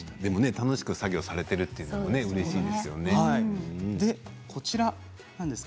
楽しく作業されているということもうれしいですね。